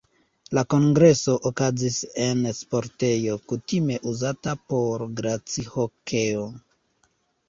La kongreso okazis en sportejo, kutime uzata por glacihokeo.